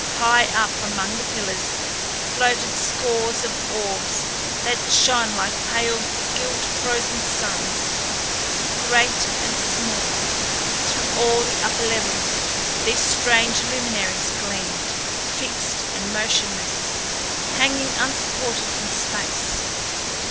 High up among the pillars floated scores of orbs that shone like pale gilt frozen suns. Great and small, through all the upper levels these strange luminaries gleamed, fixed and motionless, hanging unsupported in space.